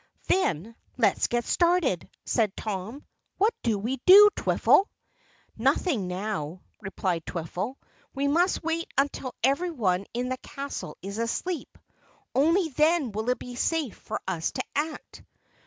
"Then, let's get started," said Tom. "What do we do, Twiffle?" "Nothing now," replied Twiffle. "We must wait until everyone in the castle is asleep. Only then will it be safe for us to act."